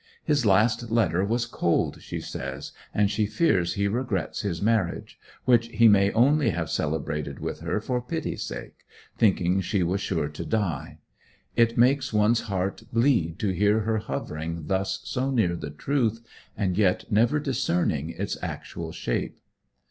His last letter was cold, she says, and she fears he regrets his marriage, which he may only have celebrated with her for pity's sake, thinking she was sure to die. It makes one's heart bleed to hear her hovering thus so near the truth, and yet never discerning its actual shape.